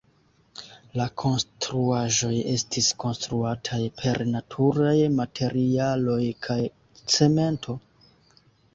La konstruaĵoj estis konstruataj per naturaj materialoj kaj cemento.